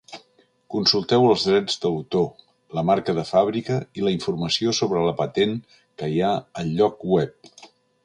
Consulteu els drets d'autor, la marca de fàbrica i la informació sobre la patent que hi ha al lloc web.